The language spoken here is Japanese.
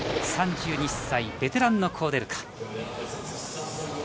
３１歳ベテランのコウデルカ。